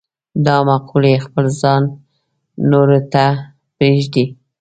دا مقولې خپل ځای نورو ته پرېږدي.